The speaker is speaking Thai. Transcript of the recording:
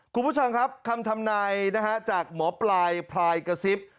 คุณผู้ชมครับคำทำนายนะฮะจากหมอปลายพลายกระซิบ